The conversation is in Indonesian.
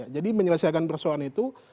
jadi menyelesaikan persoalan itu